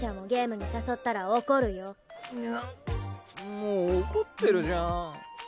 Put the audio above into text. もう怒ってるじゃん。